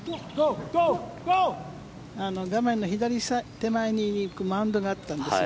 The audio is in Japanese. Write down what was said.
画面の左手前にマウンドがあったんです。